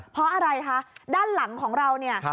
เพราะอะไรคะด้านหลังของเราเนี่ย